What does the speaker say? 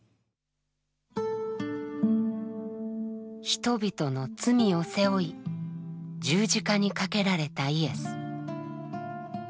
人々の罪を背負い十字架にかけられたイエス。